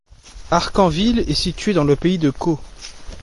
Harcanville est située dans le pays de Caux.